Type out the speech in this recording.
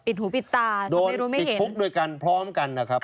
ปิดหูปิดตาทำไมรู้ไม่เห็นโดนติดคุกด้วยกันพร้อมกันนะครับ